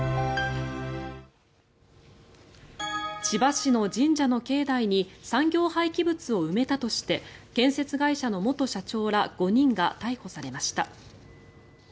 千葉市の神社の境内に産業廃棄物を埋めたとして建設会社の元社長ら５人が逮捕されました。